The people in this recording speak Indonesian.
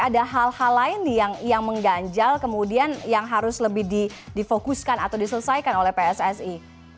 ada hal hal lain yang mengganjal kemudian yang harus lebih difokuskan atau diselesaikan oleh pssi